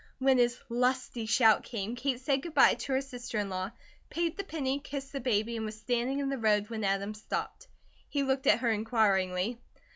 When his lusty shout came, Kate said good bye to her sister in law, paid the penny, kissed the baby, and was standing in the road when Adam stopped. He looked at her inquiringly.